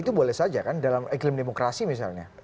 itu boleh saja kan dalam iklim demokrasi misalnya